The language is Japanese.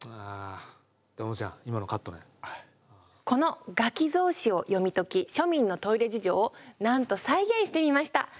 この「餓鬼草紙」を読み解き庶民のトイレ事情をなんと再現してみました。